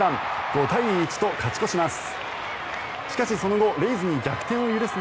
５対１と勝ち越します。